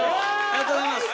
ありがとうございます！